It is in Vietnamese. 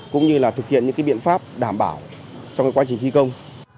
cũng như là thực hiện những cái biện pháp đảm bảo trong cái quá trình thi công